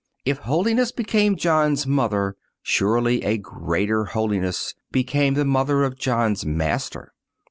If holiness became John's mother, surely a greater holiness became the mother of John's Master.